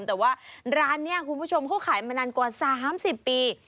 แต่ว่าร้านนี้คุณผู้ชมเขาขายมานานกว่า๓๐ปี